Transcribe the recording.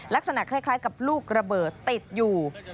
ลักษณะคล้ายกับลูกระเบิดติดอยู่